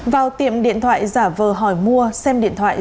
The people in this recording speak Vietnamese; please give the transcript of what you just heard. vào tiệm điện thoại giả vờ hỏi mua xem điện thoại